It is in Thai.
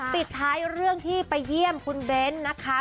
ปิดท้ายเรื่องที่ไปเยี่ยมคุณเบ้นนะคะ